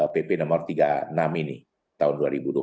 pp tiga puluh enam tahun dua ribu dua puluh satu